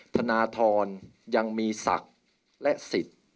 ธนทรยังมีศักดิ์และสิทธิ์